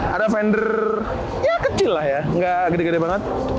ada vendor ya kecil lah ya nggak gede gede banget